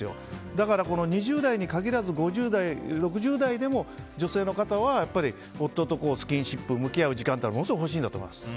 だから２０代に限らず５０代、６０代でも女性の方は夫とスキンシップ向き合う時間というのはものすごく欲しいんだと思います。